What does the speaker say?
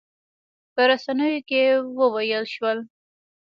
په رسنیو کې وویل شول.